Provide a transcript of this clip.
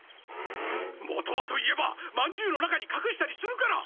元はと言えばまんじゅうの中にかくしたりするから！